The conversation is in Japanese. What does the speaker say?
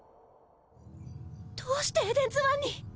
どうしてエデンズワンに⁉